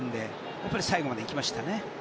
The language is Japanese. やっぱり最後まで行きましたね。